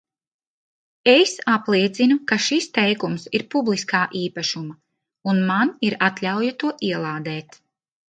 Es apliecinu, ka šis teikums ir publiskā īpašuma un man ir atļauja to ielādēt.